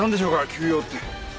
急用って。